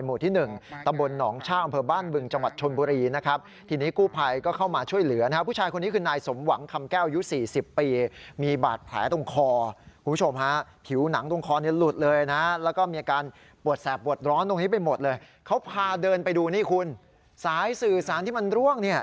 หมู่ที่หนึ่งตะบลหลองชาวอำเภอบ้านบึงจ